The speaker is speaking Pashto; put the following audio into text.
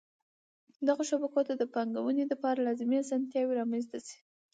دغو شبکو ته د پانګوني دپاره لازمی اسانتیاوي رامنځته شي.